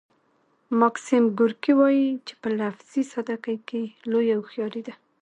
ماکسیم ګورکي وايي چې په لفظي ساده ګۍ کې لویه هوښیاري ده